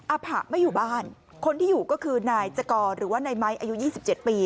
อภะไม่อยู่บ้านคนที่อยู่ก็คือนายจกรหรือว่านายไม้อายุ๒๗ปี